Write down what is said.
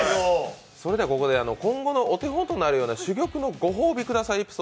それではここで、今後のお手本となるような珠玉のご褒美ください